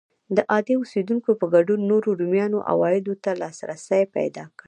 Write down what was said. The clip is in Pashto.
د عادي اوسېدونکو په ګډون نورو رومیانو عوایدو ته لاسرسی پیدا کړ.